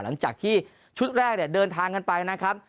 หลังจากที่ชุดแรกเนี่ยเดินทางกันไปนะครับ